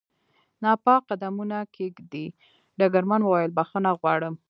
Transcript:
ناپاک قدمونه کېږدي، ډګرمن وویل: بخښنه غواړم.